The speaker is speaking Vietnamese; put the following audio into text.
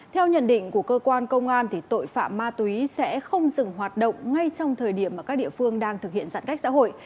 theo nhận định của cơ quan công an tội phạm ma túy sẽ không dừng hoạt động ngay trong thời điểm mà các địa phương đang thực hiện giãn cách xã hội